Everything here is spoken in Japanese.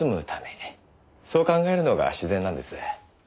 そう考えるのが自然なんです。